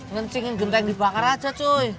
ngencingin genteng dibakar aja tuh